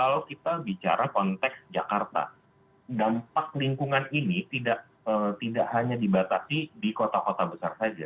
kalau kita bicara konteks jakarta dampak lingkungan ini tidak hanya dibatasi di kota kota besar saja